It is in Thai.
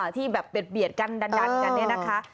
ที่แบบเบียดกันดันกันเนี่ยนะคะ